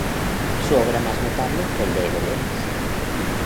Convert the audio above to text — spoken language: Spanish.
Su obra más notable fue el de Belenes.